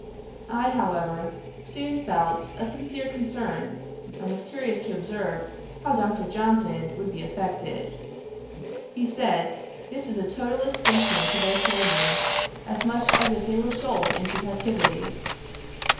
I, however, soon felt a sincere concern, and was curious to observe, how Dr. Johnson would be affected. He said, 'This is a total extinction to their family, as much as if they were sold into captivity.'